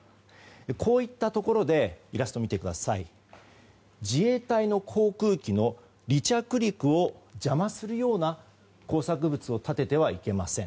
こういったところで自衛隊の航空機の離着陸を邪魔するような工作物を立ててはいけません。